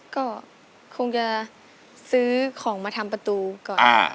ก็คงจะซื้อของมาทำประตูก่อน